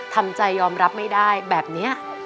ทำใจยอมรับไม่ได้แบบนี้